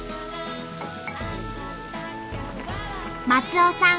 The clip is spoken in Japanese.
松尾さん